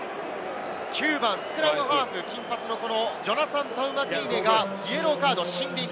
９番スクラムハーフ、金髪のこのジョナサン・タウマテイネがイエローカード、シンビン。